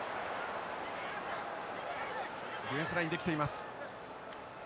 ディフェンスラインできています。